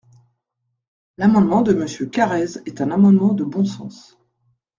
L’amendement de Monsieur Carrez est un amendement de bon sens.